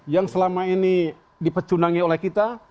yang selama ini dipecunangi oleh kita